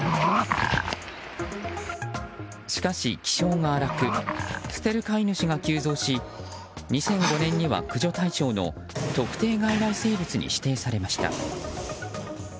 しかし、気性が荒く捨てる飼い主が急増し２００５年には駆除対象の特定外来生物に指定されました。